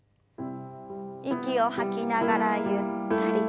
息を吐きながらゆったりと。